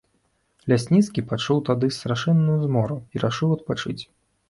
Лясніцкі пачуў тады страшэнную змору і рашыў адпачыць.